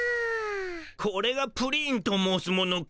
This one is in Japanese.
これがプリンと申すものか。